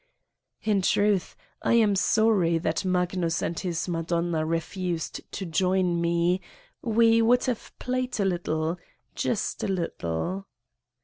}>fn truth, I am sorry that Magnus and>J his Madonna refused to join me we would have played a little just a little